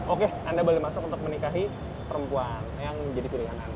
oke anda boleh masuk untuk menikahi perempuan yang menjadi pilihan anda